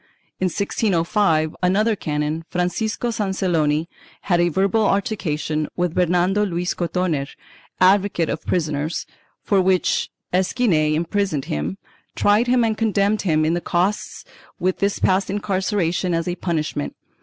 In 1605, another canon, Francisco Sanceloni, had a verbal altercation with Bernardo Luis Cotoner, advocate of prisoners, for which Esquinel imprisoned him, tried him and condemned him in the costs, with his past incarceration as a punishment.